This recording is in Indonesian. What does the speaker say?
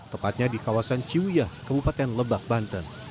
tepatnya di kawasan ciwiah kebupaten lebak banten